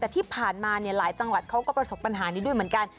แต่ที่ผ่านมาหลายจังหวัดเขาก็ประสบปัญหานี้ด้วยเหมือนกัน